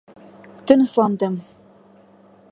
Тынысландым.